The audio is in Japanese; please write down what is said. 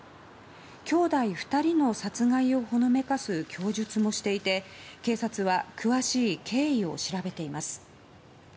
姉弟２人の殺害をほのめかす供述もしていて警察は詳しい経緯を調べています。